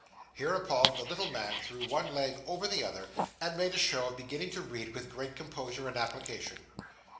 Hereupon, the little man threw one leg over the other, and made a show of beginning to read with great composure and application.